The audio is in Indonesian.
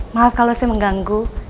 maaf kalau saya mengganggu